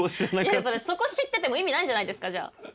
いやそこ知ってても意味ないじゃないですかじゃあ。